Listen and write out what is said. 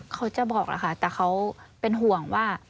เขาจะบอกแล้วค่ะแต่เขาเป็นห่วงว่า